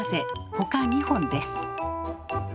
ほか２本です。